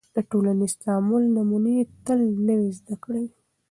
د ټولنیز تعامل نمونې تل نوې زده کړې